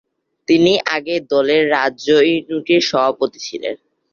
তিনি আগে দলের রাজ্য ইউনিটের সভাপতি ছিলেন।